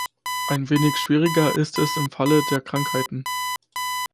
Ein wenig schwieriger ist es im Falle der Krankheiten.